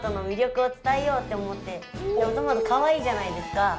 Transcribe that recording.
トマトかわいいじゃないですか。